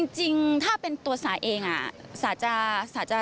จริงถ้าเป็นตัวสาเองสาจะชัดเจน